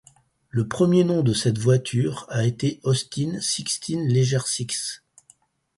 Le premier nom de cette voiture a été Austin Sixteen légère Six.